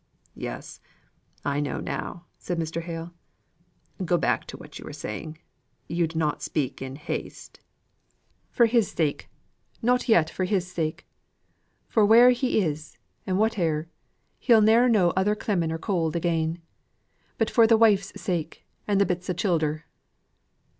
"Yes, I know now," said Mr. Hale. "Go back to what you were saying: you'd not speak in haste " "For his sake. Yet not for his sake; for where'er he is, and whate'er, he'll ne'er know other clemming or cold again; but for the wife's sake, and the bits o' childer."